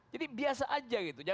jadi biasa aja gitu